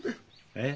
えっ？